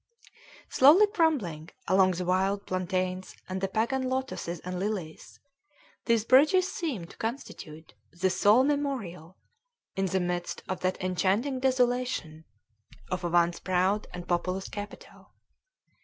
Slowly crumbling among the wild plantains and the pagan lotoses and lilies, these bridges seem to constitute the sole memorial, in the midst of that enchanting desolation, of a once proud and populous capital.